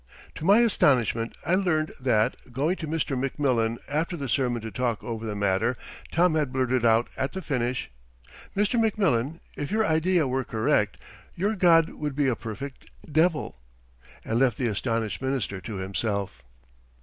To my astonishment I learned that, going to Mr. McMillan after the sermon to talk over the matter, Tom had blurted out at the finish, "Mr. McMillan, if your idea were correct, your God would be a perfect devil," and left the astonished minister to himself.